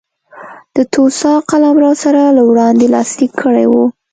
د توسا قلمرو سره له وړاندې لاسلیک کړی و.